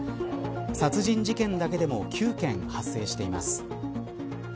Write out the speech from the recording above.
殺人事件だけでも９件発生しています。